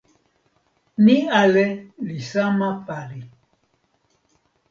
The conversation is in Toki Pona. ni ale li sama pali.